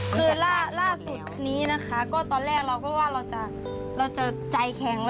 คือล่าสุดนี้นะคะก็ตอนแรกเราก็ว่าเราจะใจแข็ง